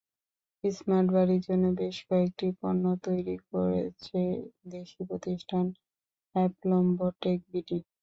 Smart বাড়ির জন্য বেশ কয়েকটি পণ্য তৈরি করেছে দেশি প্রতিষ্ঠান অ্যাপলম্বটেক বিডি।